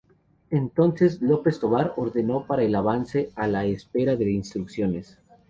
Entonces López Tovar ordenó parar el avance a la espera de instrucciones.